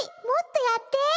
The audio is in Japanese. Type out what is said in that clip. もっとやって！